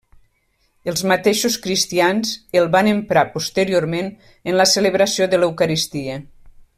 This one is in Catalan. Els mateixos cristians el van emprar posteriorment en la celebració de l'Eucaristia.